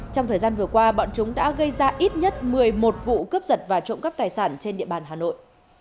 trong thời gian vừa qua bọn chúng đã gây ra ít nhất một mươi một vụ cướp giật và trộm cắp tài sản trên địa bàn hà nội